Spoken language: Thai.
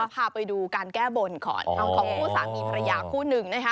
พาไปดูการแก้บนของผู้สามีพระอย่างคู่หนึ่ง